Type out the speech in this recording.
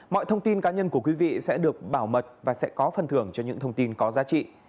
mọi thông tin cá nhân của quý vị sẽ được bảo mật và sẽ có phần thưởng cho những thông tin có giá trị